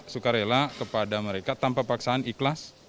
sukarela kepada mereka tanpa paksaan ikhlas